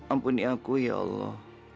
ampuni aku ya allah